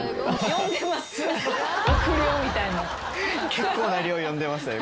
結構な量呼んでますね